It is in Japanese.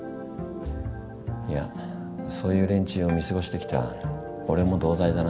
いやそういう連中を見過ごしてきた俺も同罪だな。